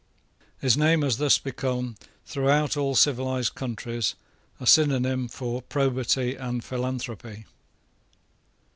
His name has thus become, throughout all civilised countries, a synonyme for probity and philanthropy.